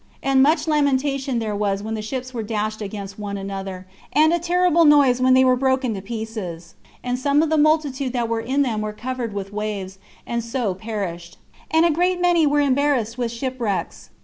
And much lamentation there was when the ships were dashed against one another, and a terrible noise when they were broken to pieces; and some of the multitude that were in them were covered with waves, and so perished, and a great many were embarrassed with shipwrecks.